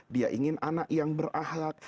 dia ingin anak yang berahlak